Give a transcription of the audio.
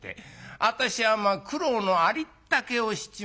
私は苦労のありったけをしちまったよ。